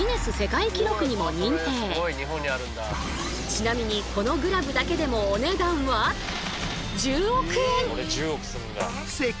ちなみにこのグラブだけでもお値段はそう！